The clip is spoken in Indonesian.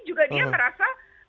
juga dia merasa